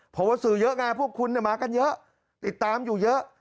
เพราะว่าสื่อเยอะไงพวกคุณมากันเยอะติดตามอยู่เยอะ